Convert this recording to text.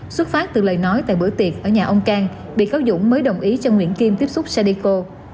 xuất phát từ lời nói tại bữa tiệc ở nhà ông cang bị cáo dũng mới đồng ý cho nguyễn kim tiếp xúc sadeco